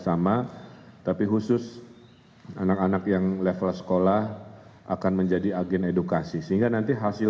sama tapi khusus anak anak yang level sekolah dan berkata boleh memperbaiki kegiatan sekolah dan kemudian